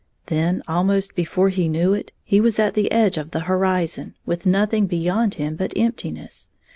Then, almost before he knew, he was at the edge of the hori zon, with nothing beyond him but emptiness.